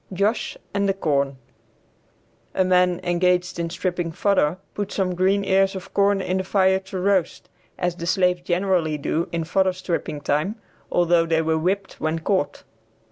JOSH AND THE CORN. A man engaged in stripping fodder put some green ears of corn in the fire to roast as the slaves generally do in fodder stripping time, although they were whipped when caught.